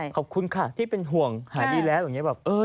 ขอบคุณค่ะที่เป็นห่วงหายดีแล้วอย่างนี้แบบ